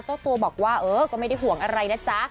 เจ้าตัวบอกว่าเออก็ไม่ได้ห่วงอะไรนะจ๊ะ